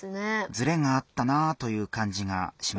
ズレがあったなぁという感じがしましたね。